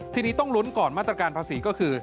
ทีนี้ต้องลุ้นก่อนมาตรการภาษีก็คือ